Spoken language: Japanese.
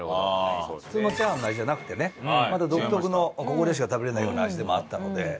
普通のチャーハンの味じゃなくてねまた独特のここでしか食べられないような味でもあったので。